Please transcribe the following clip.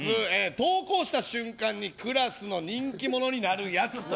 登校した瞬間にクラスの人気者になるやつ。